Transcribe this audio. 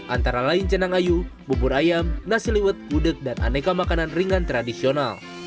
antara lain cenang ayu bubur ayam nasi liwet gudeg dan aneka makanan ringan tradisional